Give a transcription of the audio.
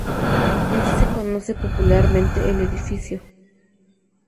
Y así se conoce popularmente el edificio.